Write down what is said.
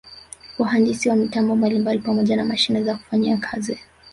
Wahandisi wa mitambo mbalimbali pamoja na mashine za kufanyia kazi